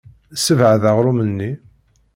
Ssebɛed aɣrum-nni.